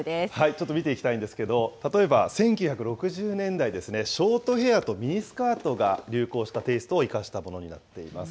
ちょっと見ていきたいんですけども、例えば１９６０年代ですね、ショートヘアとミニスカートが流行したテイストを生かしたものになっています。